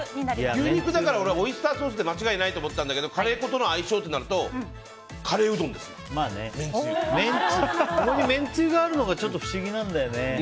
牛肉だからオイスターソースで間違いないと思ったんだけどカレー粉との相性となるとここに、めんつゆがあるのがちょっと不思議なんだよね。